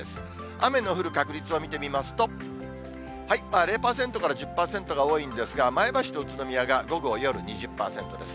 雨の降る確率を見てみますと、０％から１０％が多いんですが、前橋と宇都宮が午後、夜２０％です。